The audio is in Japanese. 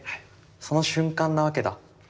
その瞬間なわけだ。